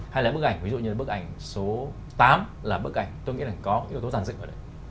hay là bức ảnh ví dụ như bức ảnh số tám là bức ảnh tôi nghĩ là có yếu tố giản dựng ở đây